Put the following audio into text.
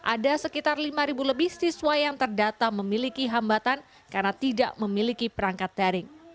ada sekitar lima lebih siswa yang terdata memiliki hambatan karena tidak memiliki perangkat daring